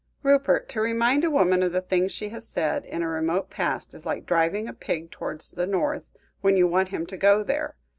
"Rupert, to remind a woman of the things she has said in a remote past, is like driving a pig towards the north, when you want him to go there.